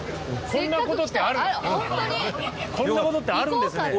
こんな事ってあるんですね。